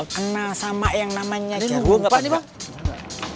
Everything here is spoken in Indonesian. kena sama yang namanya jarwo nggak pak